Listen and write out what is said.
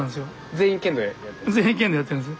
全員剣道やってるんです。